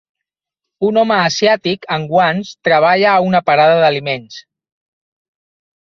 Un home asiàtic amb guants treballa a una parada d'aliments.